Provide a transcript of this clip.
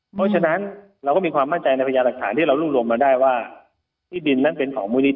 เพราะฉะนั้นเราก็มีความมั่นใจในพยานหลักฐานที่เรารุ่งรวมมาได้ว่าที่ดินนั้นเป็นของมูลนิ